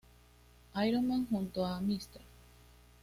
Iron Man junto a Mr.